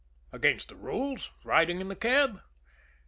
Against the rules riding in the cab?